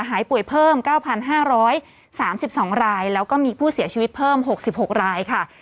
หายป่วยเพิ่ม๙๕๓๒รายแล้วก็มีผู้เสียชีวิตเพิ่ม๖๖รายค่ะ